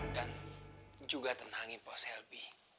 dan juga tenangin pak selvi